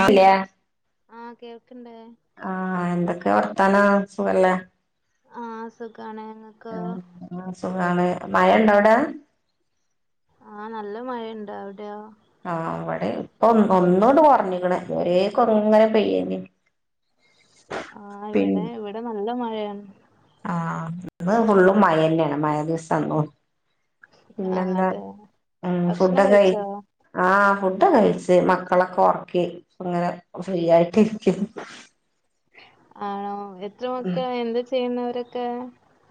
ആഹ് ല്ലേ ആഹ് കേൾക്ക്ണ്ട് ആഹ് എന്തൊക്കെ വർത്താനം സുഖല്ലേ ആഹ് സുഖാണ് ആഹ് ആഹ് സുഖാണ് മഴ ഉണ്ടോ അവിടെ ആഹ് നല്ല മഴണ്ട് അവിടെയോ ആഹ് അവിടെ ഇപ്പൊ ഒന്നണ്ട് കൊറഞ്ഞിക്കണ് ഇതുവരെക്കങ്ങനെ പെയ്യയ്നിം [inaudible] ആഹ് ഇവിടെ ഇവിടെ നല്ല മഴയാണ് ആഹ് ഇന്ന് ഫുള്ള് മഴ തന്നെയാണ് മഴ ദിവസന്നു പിന്നെ ആഹ് എന്താ അതെ ഉം ഭക്ഷണം ഫുഡൊക്കെ കഴി കഴിച്ചോ ആഹ് ഫുഡൊക്കെ കഴിച്ച് മക്കളൊക്കെ ഉറക്കി ഇപ്പങ്ങനെ ഫ്രീ ആയിട്ടിരിക്കും ആണോ എത്രുമൊക്കെ എന്താ ചെയ്യുന്നവരൊക്കെ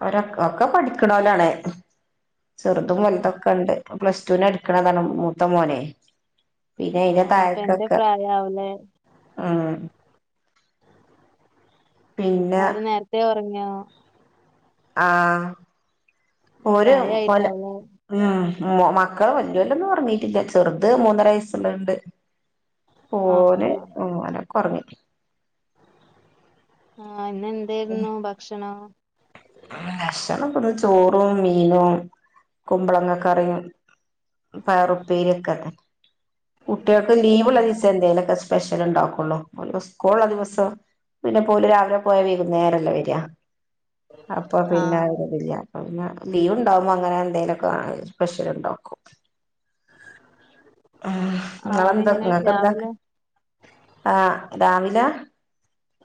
അവരക് ഒക്കെ പഠിക്കണോലാണ് ചെറുതും വൽതൊക്കെണ്ട് പ്ലസ് റ്റ ടു ന എടുക്കണതാണ് മൂത്ത മോനെ പിന്നെ അയിന്റെ ആണോ അപ്പൊ എന്റെ താഴക്കൊക്കെ പ്രായാവൂലേ ആഹ് അവര് നേരത്തെേ ഉറങ്ങിയോ ആഹ് ഉം, ഒര് പോലെ മഴയായിട്ടാവൂലേ ഉം മക്കള വല്ല്യോലൊന്ന് ഒർങ്ങീട്ടില്ല ചെറുത് മൂന്നര വയസ്സുള്ളണ്ട് ആഹ് പോലെ ആഹ് ഓനകൊറങ്ങി ആഹ് ഇന്ന എന്തേയിരുന്നു ഭക്ഷണം ഭക്ഷണം ഇപ്പന്ന് ചോറും മീനും കുമ്പളങ്ങ കറിയും പയറുപ്പേരിക്കെ കുട്ട്യേക്ക് ലീവ്ള്ള ആഹ് ദിവസം എന്തേലൊക്കെ സ്പെഷ്യൽ ണ്ടാക്കുള്ളൂ സ്കൂൾള്ള ദിവസം പിന്നെ പോല് രാവിലെ പോയ വൈകുന്നേരല്ലേ വര്അ അപ്പൊ പിന്നെ ആ ആഹ് ഒര്തില്ല പ പിന്നെ ലീവ് ഉണ്ടാവുമ്പോ അങ്ങനെ എന്തേലൊക്കെ [unintelligible] സ്പെഷ്യൽല് ണ്ടാക്കും ഉം ആഹ് നങ്ങളെന്താ അവരെങ്ങനെ നിങ്ങക്ക് എന്താ രാവിലെ ആഹ് രാവില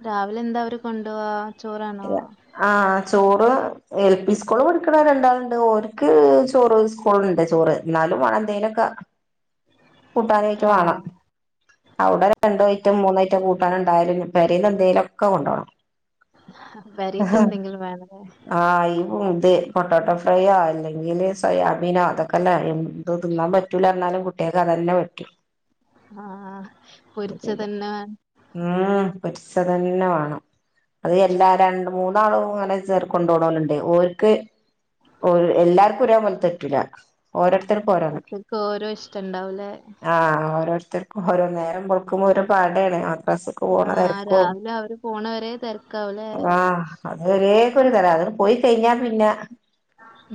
രാവിലെ എന്താ അവര് കൊണ്ടോവാ ചോറാണോ ആഹ് ചോറ് എൽ പി സ്കൂളി പഠിക്കണ രണ്ടാളുണ്ട് ഓര്ക്ക് ചോറ് സ്കൂളുണ്ട് ചോറ് ന്നാലും മാണ എന്തേലൊക്കെ കൂട്ടാനായിറ്റ് വാണം ആഹ് അവിടെ രണ്ടോ ഐറ്റം മൂന്ന ഐറ്റം കൂട്ടാനണ്ടായാലും പെരേന്ന് എന്തേലൊക്കെ കൊണ്ടോണം അഹ് പെരേതെ എന്തെങ്കിലും വേണലെ ആയി ഉം ത് പൊട്ടോട്ടോ ഫ്രൈയോ, അല്ലെങ്കില് സോയാബീനോ അതൊക്കെല്ല എന്ത് തിന്നാൻ പറ്റൂലറ്ഞ്ഞാലും കു ട്ട്യേക്കതന്നെ പറ്റു. അഹ് ആഹ് പൊരിച്ചതന്നെ ഉം പൊരിച്ചതന്നെ വാണം. അത് എല്ലാ രണ്ട് മൂന്നാളും ങ്ങനെ ചെർ കൊണ്ടോണോല്ണ്ട് ഓല്ക്ക് ഓൽ എല്ലാർക്കും ഒരേ പോൽതറ്റൂല. ഓരോരുത്തർക്ക് ഓരോന്ന് മക്കൾക്ക് ഓരോ ഇഷ്ടണ്ടാവൂലേ ആഹ് ഓരോരുത്തർ ഹോരോ നേരം വെളുക്ക്ബോ ഓരോ പടേണ് മദ്രസ് ആഹ് രാവിലെ അവര് പോണ വരെ തെരക്കാവുലെ? ആഹ് അത് വരേക്കൊരു തര അതട് പോയി കഴിഞ്ഞാ പിന്നെ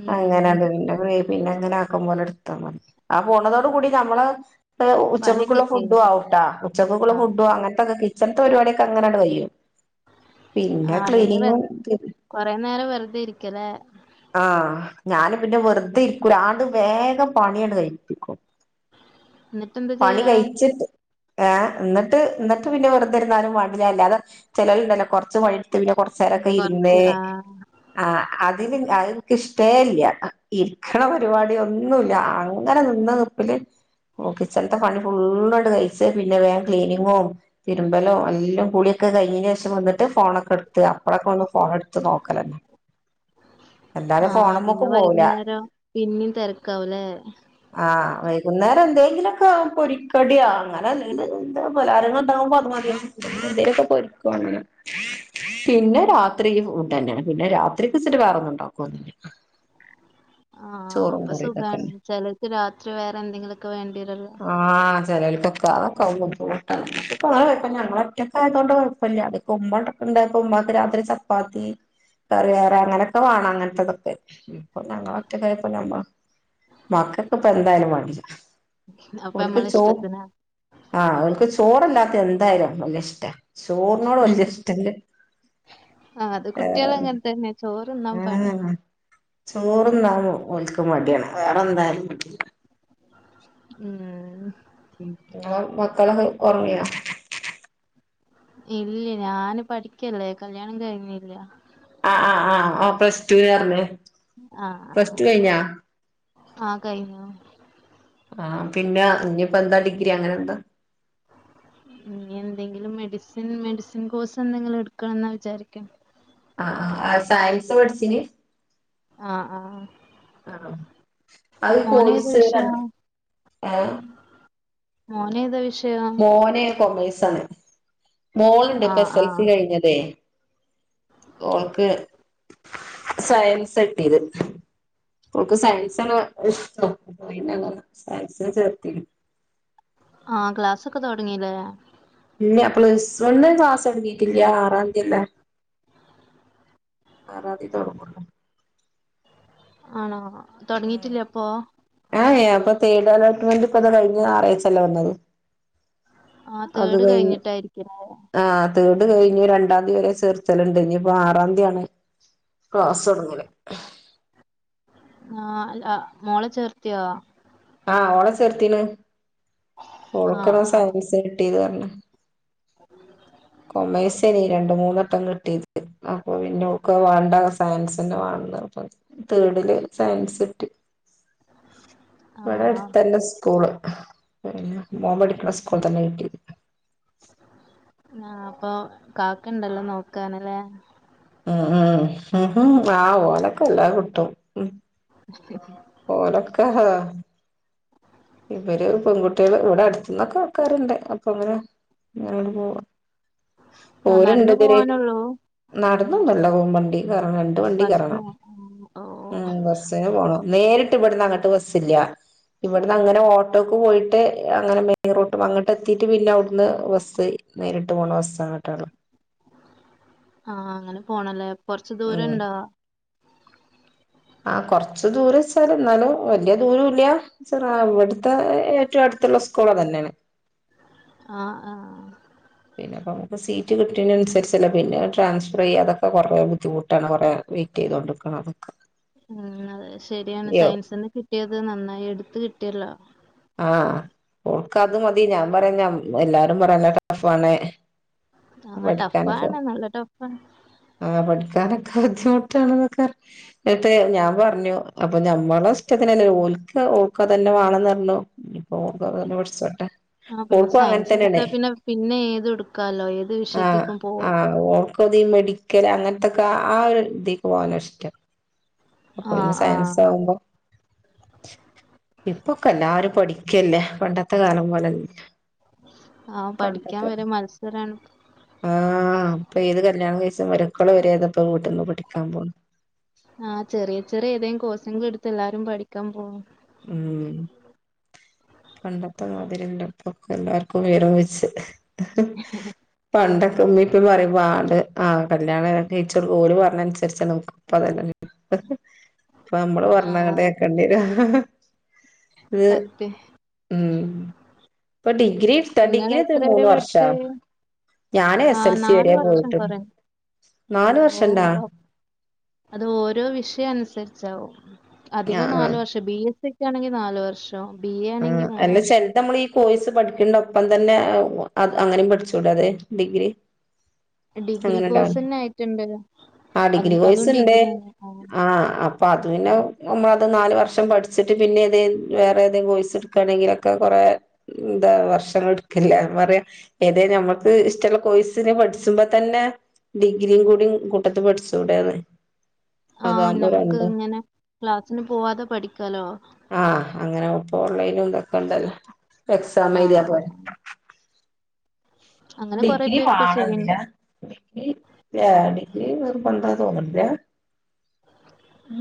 ഉം അങ്ങനെണ്ട് ൻ്റ ഫ്രൈ പിന്നെങ്ങനെ ആക്കംപോലെ ഇടുത്താമതി. ആഹ് പോണതോടു കൂടി നമ്മള് എഹ് ഉച്ചക്ക്ക്കുള്ള പണിയൊക്കെ കഴിഞ്ഞോ ഫുഡും ആവുട്ടാ ഉച്ചക്ക്ക്കുള്ള ആഹ് ഫുഡും അങ്ങൻത്തൊക്കെ കിച്ചൺത്തെ പരിപാടിയൊക്കെ അങ്ങനേട് കയ്യും. ആഹ് അതോണ്ട് വെ കൊറെ നേരം വെറുതെ ഇരിക്കലേ. ആഹ് ഞാന് പിന്നെ വെറുതെ ഇരിക്കൂല ആണ്ട് വേഗം പണിയട് കഴിപ്പിക്കും എന്നിട്ട് എന്താ പണി ചെയ്യാ കഴിച്ച് ഏഹ് ഇന്നിട്ട് ഇന്നിട്ട് പിന്നെ വെറുതിരുന്നാലും വാണ്ടില്ല. അല്ലാതെ ചെലോലുണ്ടല്ലോ കൊറച്ച് പണിട്ത്തു പിന്നെ കൊറച്ചേരൊക്കെ കൊറച്ച് ഇരുന്ന് ആഹ് ആഹ് അതിന്ൻ അഅ്ൻക്കിഷ്ടേ ഇല്ല ഇരിക്കണ പരിപാടി ഒന്നുല്ല അങ്ങനെ നിന്ന നി പ്പ്‌ല് ഓഹ് കിച്ചൺത്തെ പണി ഫുുള്ളായിട്ട് കഴച്ച് പിന്നെ വേം ക്ലീനിങ്ങും തിരുമ്പലും എല്ലൊം കുളിയൊക്കെ കഴിഞ്ഞീനേഷം വന്ന് ട്ട് ഫോണൊക്ക്ടുത്ത് അപ്പളൊക്കൊന്ന് ഫോണെടുത്ത് നോക്കലന്നെ. അല്ലാതെ ആഹ് പിന്നെ ഫോണുമ്മക്ക് പോവൂല വൈകുന്നേരോ പിന്നിം തെരക്കാവുല്ലേ? ആഹ് വൈകുന്നേരെന്തെങ്കിലൊക്കെ പൊരിക്കടിയാ അങ്ങനെന്തേ പലഹാരങ്ങൾ ഇണ്ടാകുമ്പത് മതിയാവും [unintelligible] പൊരിക്കുവാണെങ്കി പിന്നെ രാത്രി ഇ ഫുഡ്ഡെന്നെ പിന്നെ രാത്രിക്ക്ച്ചിട്ട് വേറെന്നും ഇണ്ടാക്കോന്നില്ല. ആഹ് അപ്പ കറിയും സുഖാണ് ഇതൊക്കെന്നെ ചെലർക്ക് രാത്രി വേറെ എന്തെങ്കിലൊക്കെ വേണ്ടിരല്ലോ. ആഹ് ചെലൽക്കൊക്കെ അതൊക്കാവുമ്പം ബുദ്ധിമുട്ടാണ് പ്പൊ ആ കൊഴപ്പല്ല ഞമ്മൾ ഒറ്റക്കായതോണ്ട് കൊഴപ്പൊല്ല. ഇത്പ്പോ ഉമ്മണ്ടായപ്പോ ഉമ്മാക്ക് രാത്രി ചപ്പാത്തി. കറി വേറെ അങ്ങനൊക്കെ വാണം അങ്ങൻത്തതൊക്കെ ഇപ്പൊ ഞങ്ങളൊറ്റക്കായപ്പോ ഞമ്മ മാക്കക്ക് ഇപ്പ എന്തായാലും വാണ്ടില്ല. അപ്പൊ ഓല്ക്ക് നമ്മളെ ചോ ഇഷ്ടത്തിന് ആഹ് ഓല്ക്ക് ചോറല്ലാത്ത എന്തായാലും വല്ലിഷ്ട. ചോറിനോട് വല്യഷ്ടല്ല. ആഹ് അത് കുട്ടികളങ്ങൻ തന്നെ ചോറ്ന്നാ പണി. ചോറുന്നാൻ ഓൽക്ക് മടിയാണ് വേറെ എന്തായാലും [unintelligible] ഉം ഉം ങ്ങളെ മക്കളൊക്കെ ഒറങ്ങിയോ? ഇല്ല ഞാന് പഠിക്കല്ലേ കല്യാണം കഴിഞ്ഞില്ല. ആഹ് ആഹ് ആഹ് ആഹ് പ്ലസ് ടൂലാർഞ്ഞ്. ആഹ് ആഹ് ആഹ് കഴിഞ്ഞു ആഹ് പിന്നെ ഇഞ്ഞ്പ്പെന്താ ഡിഗ്രി അങ്ങനെന്താ? ഇന്നി എന്തെങ്കിലും മെഡിസിൻ മെഡിസിൻ കോഴ്സെന്തെങ്കിലും എടുക്കണന്നാ വിചാരിക്ക്ണ്ട്. ആഹ് ആഹ് ആ സയൻസ പഠിച്ചിന്? ആഹ് ആഹ് ആഹ് അത് മോനേതാ കോഴ്സ് രണ്ട് വിഷയം? ഏഹ് മോനേതാ വിഷ് മോന് കൊമേഴ്സാണ്. മോളുണ്ട് ഇപ്പൊ ആഹ് എസ് എസ് എൽസി ആഹ് കഴിഞ്ഞതേ മോൾക്ക് സയൻസ കിട്ടിയത്. ഓക്ക് സയൻസാണ് ഇഷ്ടം. പിന്നങ് സയൻസിനു ചേർത്തിണ് ആഹ് ക്ലാസ്സൊക്കെ തൊടങ്ങീല്ലേ? ഇല്ല പ്ലസ് വൺ ക്ലാസ് തുടങ്ങിയിട്ടില്ല ആറാന്തി അല്ലെ ആറാന്തി തുടങ്ങുള്ളൂ ആണോ തുടങ്ങിട്ടില്ലേ അപ്പൊ ഏഹ് ഏഹ് അപ്പൊ തേട് അലോട്ട്മെന്റ് ഇപ്പൊ അത കഴിഞ്ഞ ഞാറാഴ്ച്ചല്ലേ വന്നത് ആഹ് തേഡ് കഴിഞ്ഞിട്ടായിരിക്കില്ലേ തേട് കഴിഞ്ഞു രണ്ടാം തി വരെ ചെർത്തലുണ്ട് ഇനി ഇപ്പോ ആറാം തിയാണ് ക്ലാസ് തുടങ്ങല് ആഹ് അല്ല മോളെ ചേർത്തിയോ ആഹ് ഓള ചെർത്തിന് ആഹ് ഒളുക്കണ സയൻസ് കിട്ടീത് പറണ ഉ കൊമേഴ്സനി രണ്ട് മൂന്നട്ടം കിട്ടിയത് അപ്പൊ പിന്നെ ഓക്ക് അത് വേണ്ട സയൻസന്ന വേണന്ന് അപ്പ തേർഡില് സയൻസ് കിട്ടി ഇവടെ ആഹ് അടുത്ത് തന്നെ സ്കൂള് പിന്നെ മോൻ പഠിക്കുന്ന സ്കൂൾ തന്നെ കിട്ടിത് ആഹ് അപ്പൊ കാക്കണ്ടല്ലോ നോക്കാനല്ലേ. ഉം ഉം ഉ ആഹ് ഓലൊക്കെ എല്ലാം കിട്ടും. ഉം ഹമ് ഓലൊക്കെ ഇവര് പെൺകുട്ടികൾ ഇവിടെ അടുത്ത് നിന്നൊക്കെ ആൾക്കാരുണ്ട് അപ്പൊ ങ്ങനെ ഞാൻ ഇപ്പൊ. ആഹ് ഓര് ഉണ്ട് നടന്നു ഇതില് പോവാനൊള്ളൂ നടന്ന് അല്ല പോവും വണ്ടി വേറെ വണ്ടി. വണ്ടി ബസിന് കയറണം, ഓ ഉം ബസ്സിനാ പോണു. നേരിട്ട് ഇവിടുന്ന് അങ്ങോട്ട് ബസ്സില്ല ഇവിടുന്ന് അങ്ങനെ ഓട്ടോ. അങ്ങ് പോയിട്ട് അങ്ങനെ മെയിൻ റോഡ് അങ്ങോട്ട് എത്തിയിട്ട് പിന്നെ അവിടുന്ന് ബസ്സ് നേരിട്ട് പോണ് ബസ് അങ്ങോട്ടാണ്. ആഹ് അങ്ങനെ പോണല്ലേ കൊറച്ച് ഉം ദൂരയുണ്ടോ? ആഹ് കൊറച്ച് ദൂരം സാർ എന്നാലും വല്യ ദൂരല്ല. സാറ ഇവിടുത്തെ ഏറ്റവും അടുത്തുള്ള സ്കൂള് അത് തന്നെയാണ്. ആഹ് ആഹ് പിന്നെ കൊറെ ഒക്കെ സീറ്റ് കിട്ടണം അനുസരിച്ച് അല്ലേ പിന്നെ ട്രാൻസ്ഫർ ചെയ്യാ അതൊക്കെ ബുദ്ധിമുട്ടാണ് കൊറ. വെയിറ്റ് ചെയ്തു കൊടുക്കണം നമുക്ക്‌. ഉം അതെ ശരിയാണ് സയൻസിന് കിട്ടിയത് നന്നായി എടുത്ത് കിട്ടിയല്ലോ. ആഹ് ഓൾക്ക് അത് മതി ഞാൻ പറയുന്ന എല്ലാരും പറയുന്നു പോലെ ടഫ് ആണ്. ആഹ് ടഫാണ് നല്ല ടഫാണ്. ആഹ് പഠിക്കാനൊക്കെ ബുദ്ധിമുട്ടാണെന്നൊക്കെ. എന്നിട്ട് ഞാൻ പറഞ്ഞു അപ്പൊ ഞമ്മളെ ഇഷ്ടത്തിന് അല്ല ഓലുക്ക് ഓൾക്ക് അത് തന്നെ വേണെന്ന് പറഞ്ഞു. ഇനിപ്പോ ഓൾക്ക് അതെന്നെ പഠിച്ചോട്ടെ. ആഹ് പിന്നെ ഓൾക്കും അങ്ങനെ സയൻസ് തന്നെയാണ് എടുത്താൽ പിന്നെ പിന്നെ ഏത് എടുക്കാലോ ഏത് വിഷയത്തേക്കും പോവാം. അവള് അത് ഈ മെഡിക്കൽ അങ്ങനത്തൊക്കെ ആഹ് ഒരു ഇതിൽ പോകാന് ഇഷ്ടം. അപ്പൊ പിന്നെ ആഹ് സയൻസ് ആഹ് ആകുമ്പോ, ഇപ്പൊക്കെ എല്ലാരും. പഠിക്കല്ലേ പണ്ടത്തെ കാലം പോലെ അല്ലല്ലോ. ആഹ് പഠിക്കാൻ വരെ മത്സരമാണ്. ആഹ് അപ്പൊ ഏത് കല്യാണ കഴിച്ച് മക്കള് വരെ ഇപ്പോ വീട്ടിന്ന് പഠിക്കാൻ പോന്നു. ആഹ് ചെറിയ ചെറിയ ഏതെങ്കിലും കോഴ്സ് എങ്കിലും എടുത്ത് എല്ലാരും പഠിക്കാൻ പോവും. ഉം പണ്ടത്തെ മാതിരി അല്ല, ഇപ്പൊ ഒക്കെ എല്ലാർക്കും വിവരം വെച്ച്. പണ്ടൊക്കെ ഉമ്മി ഇപ്പോ പറയും, പണ്ട് ആഹ് കല്യാണം ടീച്ചർ ഓല് പറഞ്ഞു അനുസരിച്ചാണ് ഇപ്പ. ഇപ്പോ അതല്ലല്ലോ, ഇപ്പോ നമ്മള് പറഞ്ഞു അങ്ങട് ആഹ് കേൾക്കേണ്ടിവരും. ഇത് സത്യം ഉം പഠി ഡിഗ്രി എടുത്തോ, ഇങ്ങള് ഡിഗ്രി എത്ര വരെ മൂന്ന് വർഷവോ പഠിച്ചേ ഞാന് എസ് എസ് ആഹ് എൽ സി നാല് വരെ വർഷം പോയിട്ടുള്ളൂ. കൊറേ നാല് വർഷമുണ്ടോ? ഓ അത് ഓരോ വിഷയം അനുസരിച്ചാവും ആ അധികം ആ നാല് വർഷം. പക്ഷെ ബി എസ് സി ഒക്കെ ആണെങ്കിൽ നാല് വർഷം, ബി എ ആ ആണെങ്കിൽ മൂന്ന് അല്ല വർഷം. ചെലത് നമ്മൾ ഈ കോഴ്സ് പഠിക്കണ്ട ഒപ്പം തന്നെ ഏഹ് അങ്ങനെയും പഠിച്ചൂടെ അതെ ഡിഗ്രി. ഡിഗ്രി അങ്ങനെ കോഴ്സ് ഉണ്ടാവും തന്നെ ആയിട്ടുണ്ട് ആഹ് അത് ഡിഗ്രി കോഴ്സ് അതും ഉണ്ട് ഡിഗ്രിയാണ് ആ ആഹ്. ഇപ്പൊ അത് പിന്നെ നമ്മള് അത് നാല് വർഷം പഠിച്ചിട്ട് പിന്നെ ഏത് വേറെ ഏതെങ്കിലും കോഴ്സ്. കോഴ്സ് എടുവാണെങ്കിൽ ഒക്കെ കൊറെ എന്താ വർഷങ്ങൾ എടുക്കില്ല എന്ന് പറയാം. ഏതെ നമ്മക്ക് ഇഷ്ടമുള്ള കോഴസിന് പഠിക്കുമ്പോ തന്നെ. ഡിഗ്രിയും കൂടി കൂട്ടത്തെ പഠിച്ചൂടെന്ന്. ആഹ് അതാകുമ്പോ നമ്മക്ക് രണ്ടും ഇങ്ങനെ ക്ലാസിന് പോവാതെ പഠിക്കാലോ. ആഹ് അങ്ങനെ ഇപ്പ ഓൺലൈൻ ഇതൊക്കെ ഉണ്ടല്ല, എക്സാം ആ ആ. എഴുതിയാൽ പോരേ. അങ്ങനെ കൊറേ ഡിഗ്രി പേര് ഇപ്പൊ ചെയ്യ വേണമെന്നില്ല, ഡിഗ്രി ആഹ് ഡിഗ്രി വെറും പന്താ തോന്നില്ല.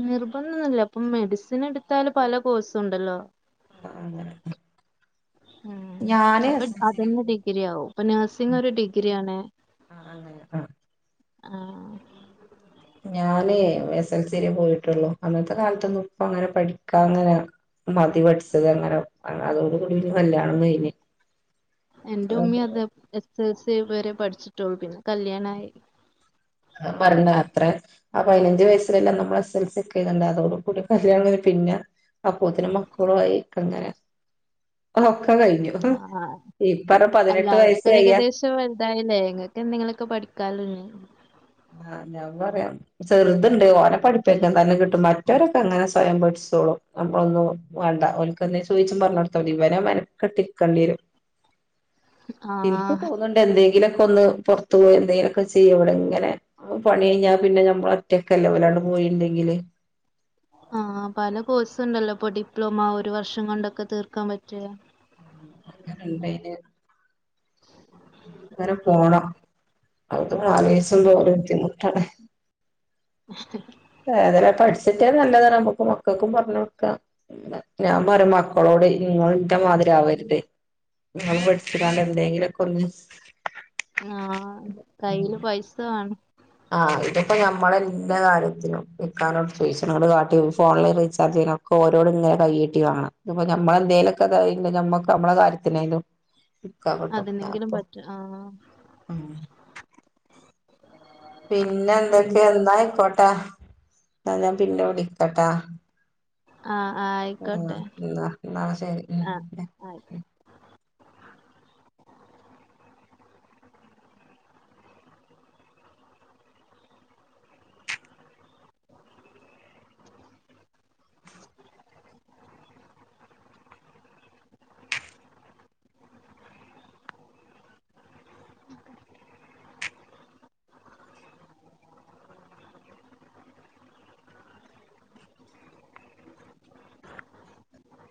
നിർബന്ധമൊന്നില്ല അപ്പം മെഡിസിൻ എടുത്താല് പല കോഴ്സും ഉണ്ടല്ലോ. ആഹ് അങ്ങനെ ഉം ഞാന് അപ്പൊ അത്. എസ് എൽ ഇപ്പൊ സി ല് തന്നെ പോയി. ഡിഗ്രി ആവും, ഇപ്പൊ നഴ്സിംഗ് ഒരു ഡിഗ്രി ആണ്. അ അങ്ങനെ അഹ് ആഹ് ഞാനേ എസെൽസി വരേ പോയിട്ടൊള്ളു. അന്നത്തെ കാലത്തൊന്നും ഇപ്പങ്ങനെ പഠിക്കാള്ളെ മതി പഠിച്ചത് അങ്ങനെ, അതോട കൂടി പിന്നെ കല്ല്യാണൊം കഴിഞ്ഞ് അതാ എന്റുമ്മിം അതെ എസ് എൽ സി വരെ പഠിച്ചിട്ടൊള്ളു, പിന്നെ കല്ല്യാണായി. അത് പറിണ അത്രെ ആഹ് പതിനഞ്ച് വയസ്സിലെല്ലാം നമ്മള് എസ് എൽ സി ഒക്കെ എയ്തണ്ടെ, അതോട് കൂടി കല്യാണ [unintelligible] പിന്നെ അപ്പോത്തിന് മക്കളു ആയി ക്കങ്ങനെ ഒക്കെ കഴിഞ്ഞു. ആഹ് ഇപ്പറ പതിനെട്ട് വയസ്സ് കയ്യാ [unintelligible] വലൽതായിലേ, ഇങ്ങക്കെന്തെിലൊക്കെ പഠിക്കാലൊ ഇനി. ആഹ് ഞാൻ പറയാം ചെർത്ണ്ട്, ഓനെ പഠ്പ്പിക്ക, ന്തായാലും കിട്ടും. മറ്റോരൊക്കെ അങ്ങനെ സ്വയം പഠ്ച്ചോളും. നമ്മളൊന്നും വാണ്ട. ഓൽക്കെന്തേം ചോയ്ച്ചും പറഞ്ഞൊട്ത്താതി. ഇവനെ മെൻക്കെട്ടിര്ക്കണ്ട്യെരും. ഇൻക്ക് ആഹ് തോന്ന് എന്തേങ്കിലൊക്കൊന്ന് പൊർത്ത് പോയി എന്തേലൊക്കെ ചെയ്യ, ഇവടെങ്ങനെ പണി കയ്ഞ്ഞാ പിന്നെ നമ്മളൊറ്റ ക്കല്ലെ ഓലട് പോയീണ്ടെങ്കില് ആഹ് പല കോഴ്സ്ണ്ടല്ലൊ ഇപ്പൊ ഡിപ്ലോമാ ഒരു വർഷം കൊണ്ടൊക്കെ തീർക്കാൻ പറ്റ്യെ ഉം എന്തെയ്ന്? അങ്ങനെ പോണം. [unintelligible] ആലോയ്ച്ചുമ്പൊ ഉം ബുദ്ധിമുട്ടാണ്. [inaudible] ഏതാലും അത് പഠ്ച്ചിട്ട്യാ നല്ലതാണ്, നമ്മക്ക് മക്കൾക്കും പർഞ്ഞൊട്ക്കാ. ഞാൻ പറ്യ മ ക്കളോട് ഇനിഇങ്ങളും ഇന്റെ മാതിരി ആവര്ത്. ഇങ്ങള് പഠ്ച്ച്ക്കാണ്ട് എന്തേങ്കിലൊക്കൊന്ന് ആഹ് കയ്യില് പൈസ വാണം ആഹ് ഇതിപ്പോ ഞമ്മളെ എല്ലാ കാര്യത്തിനും ഇക്കാനോട് ചോയ്ച്ചണം. ഇങ്ങള് കാട്ടി ഫോണില് റീചാർജെയ്യണം ഒക്കോരോട്ങ്ങനെ കയ്യീട്ടി വാങ്ങണം. ഇത്പ്പൊ നമ്മളെന്തേലൊക്കെ ഇതായിണ്ടെ, നമ്മക്ക് നമ്മളെ കാര്യത്തിനേലും [unintelligible] അതിനെങ്കിലും ആപ്പൊ പറ്റും ആഹ് ഉം. ഉം പിന്നെന്തൊക്കെ? ഇന്നായ്ക്കോട്ടെ. ഇന്നാ ഞാൻ പിന്നെ വിളിക്കട്ടാ. ആഹ് ആഹ് ഇന്നാ ഇന്നാ ശെരി ഉം. ആയ്ക്കോ [unintelligible]